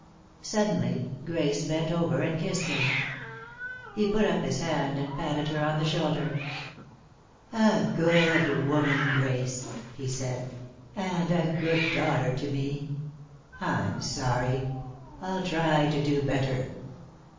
Suddenly Grace bent over and kissed him. He put up his hand, and patted her on the shoulder. "A good woman, Grace," he said, "and a good daughter to me. I'm sorry. I'll try to do better."